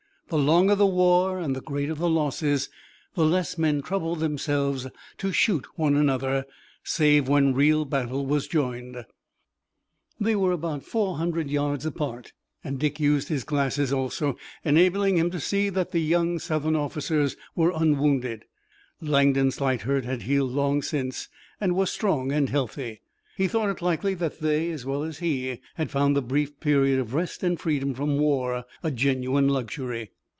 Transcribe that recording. The longer the war and the greater the losses the less men troubled themselves to shoot one another save when real battle was joined. They were about four hundred yards apart and Dick used his glasses also, enabling him to see that the young Southern officers were unwounded Langdon's slight hurt had healed long since and were strong and hearty. He thought it likely that they, as well as he, had found the brief period of rest and freedom from war a genuine luxury.